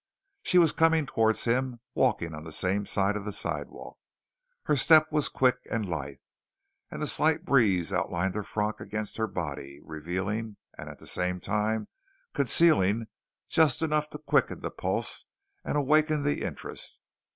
She was coming towards him, walking on the same side of the sidewalk. Her step was quick and lithe, and the slight breeze outlined her frock against her body, revealing and at the same time concealing just enough to quicken the pulse and awaken the interest.